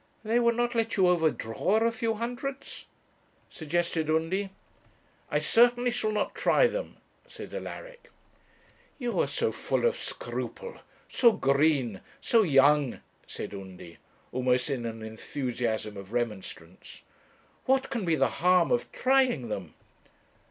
'They would not let you overdraw a few hundreds?' suggested Undy. 'I certainly shall not try them,' said Alaric. 'You are so full of scruple, so green, so young,' said Undy, almost in an enthusiasm of remonstrance. 'What can be the harm of trying them?'